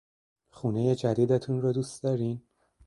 خونهی جدیدتون رو دوست دارین؟